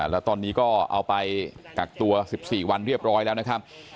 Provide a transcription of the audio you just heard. แล้วตอนนี้ก็เอาไปกักตัว๑๔วันเรียบร้อยแล้วนะครับ